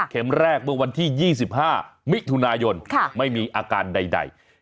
แรกเมื่อวันที่๒๕มิถุนายนไม่มีอาการใด